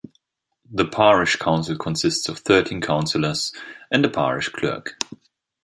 The parish council consists of thirteen councillors and a parish clerk.